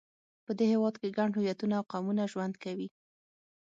په دې هېواد کې ګڼ هویتونه او قومونه ژوند کوي.